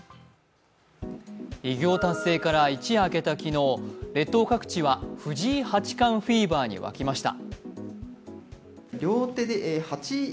偉業達成から一夜明けた昨日列島各地は藤井八冠フィーバーに沸きました。